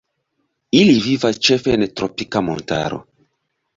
Ili vivas ĉefe en tropika montaro.